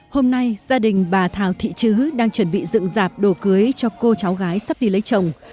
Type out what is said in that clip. hôm nay gia đình bà thảo thị chứ đang chuẩn bị dựng dạp đồ cưới cho cô cháu gái sắp đi lấy chồng